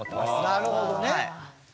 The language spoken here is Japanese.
なるほどね。